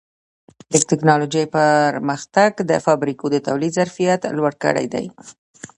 د ټکنالوجۍ پرمختګ د فابریکو د تولید ظرفیت لوړ کړی دی.